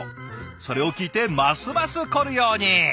それを聞いてますます凝るように。